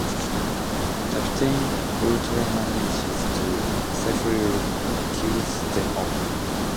Captain Ultra manages to safely rescue them all.